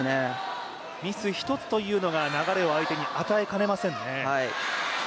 ミス１つというのが相手に流れを与えかねませんよね。